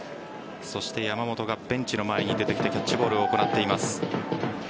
そして山本がベンチの前に出てきてキャッチボールを行っています。